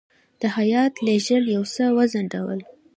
د هیات لېږل یو څه وځنډول.